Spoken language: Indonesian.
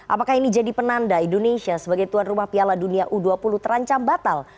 apakah ini jadi penanda indonesia sebagai tuan rumah piala dunia u dua puluh terancam batal